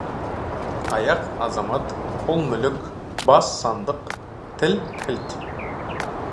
Аяқ — азамат, қол — мүлік, бас — сандық, тіл — кілт.